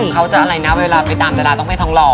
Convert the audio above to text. เขาจะอะไรนะเวลาไปตามดาราต้องให้ท้องหล่อ